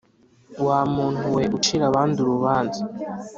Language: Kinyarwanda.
wa muntu we ucira abandi urubanza.